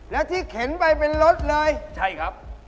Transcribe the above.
แล้วที่เข็นไปเป็นรถเลยใช่ครับ